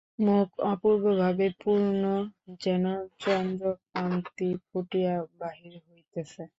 মুখ অপূর্বভাবে পূর্ণ, যেন চন্দ্রকান্তি ফুটিয়া বাহির হইতেছে।